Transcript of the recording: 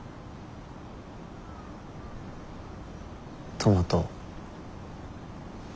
トマト。